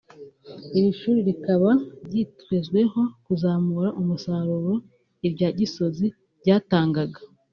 iri shuri rikaba ryitezweho kuzamura umusaruro irya gisozi ryatangaga